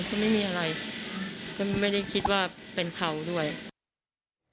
ก็ไม่มีอะไรก็ไม่ได้คิดว่าเป็นเขาด้วย